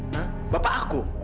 hah bapak aku